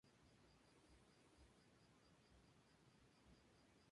Este hecho provocó su retiro del boxeo.